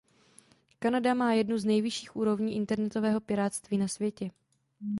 Kanada má jednu z nejvyšších úrovní internetového pirátství na světě.